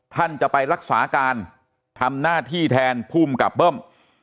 ท่านจะไปรักษาการทำหน้าที่แทนภูมิกับเบิ้ม